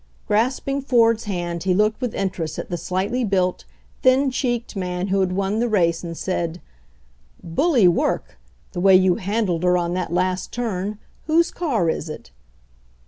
Grasping Ford's hand, he looked with interest at the slightly built, thin cheeked man who had won the race, and said : "Bully work, the way you handled her on that last turn. Whose car is it?"